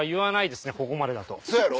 そやろ？